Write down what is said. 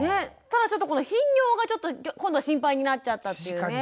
ただちょっとこの頻尿が今度は心配になっちゃったというね。